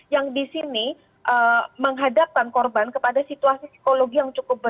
yang di sini menghadapkan korban kepada situasi psikologi yang cukup berat